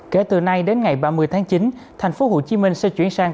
kể từ nay đến ngày ba mươi tháng chín thành phố hồ chí minh sẽ chuyển sang